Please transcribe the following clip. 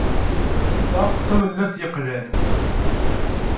Ta d tamellalt yeqlan.